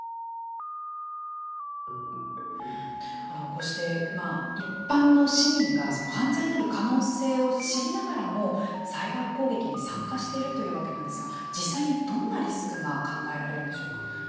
こうして、一般の市民が犯罪になる可能性を知りながらもサイバー攻撃に参加しているというわけなんですが実際に、どんなリスクが考えられるんでしょうか。